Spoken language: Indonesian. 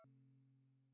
bentar bentar ya